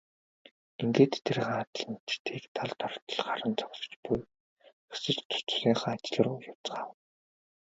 Ингээд тэд хадланчдыг далд ортол харан зогсож тус тусынхаа ажил руу явцгаав.